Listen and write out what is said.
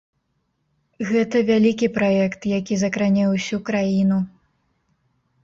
Гэта вялікі праект, які закране ўсю краіну.